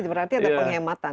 berarti ada penghematan